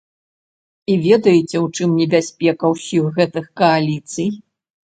І ведаеце, у чым небяспека ўсіх гэтых кааліцый?